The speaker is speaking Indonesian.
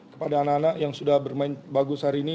kepada anak anak yang sudah bermain bagus hari ini